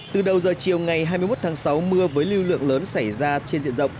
từ đầu giờ chiều ngày hai mươi một tháng sáu mưa với lưu lượng lớn xảy ra trên diện rộng